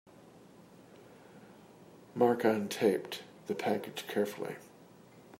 Mark untaped the package carefully.